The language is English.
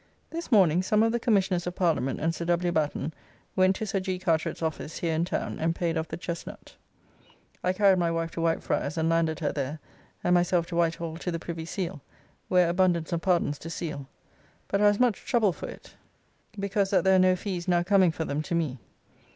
This morning some of the Commissioners of Parliament and Sir W. Batten went to Sir G. Carteret's office here in town, and paid off the Chesnut. I carried my wife to White Friars and landed her there, and myself to Whitehall to the Privy Seal, where abundance of pardons to seal, but I was much troubled for it because that there are no fees now coming for them to me.